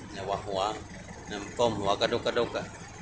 หัวหัวนำก้มหัวกระดุก